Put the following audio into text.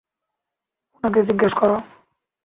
ওনাকে জিজ্ঞেস করো।